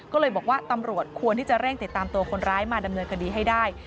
ก็เลยบอกว่าตำรวจควรที่จะเร่งติดตามตัวคนร้ายมาดำเนินคดีให้ได้